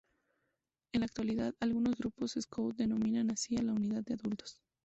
En la actualidad, algunos grupos scout denominan así a la unidad de adultos.